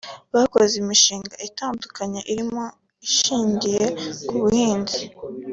Bakoze imishinga itandukanye irimo ishingiye ku buhinzi